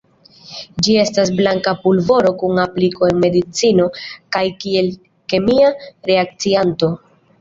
Ĝi estas blanka pulvoro kun apliko en medicino kaj kiel kemia reakcianto.